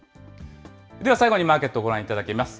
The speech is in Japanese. では最後にマーケットをご覧いただきます。